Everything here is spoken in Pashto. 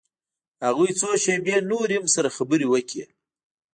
هغوى څو شېبې نورې هم سره خبرې وکړې.